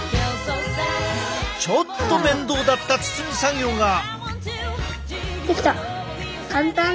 ちょっと面倒だった包み作業が。